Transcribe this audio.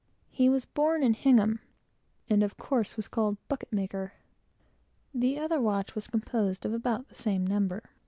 He was born in Hingham, and of course was called "Bucketmaker." The other watch was composed of about the same number.